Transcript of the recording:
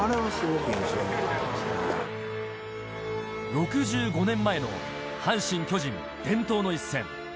６５年前の阪神・巨人、伝統の一戦。